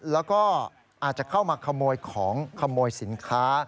แล้วก็อาจจะเข้ามาขโมยของขโมยสินค้า